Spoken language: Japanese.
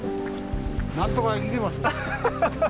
なんとか生きてます。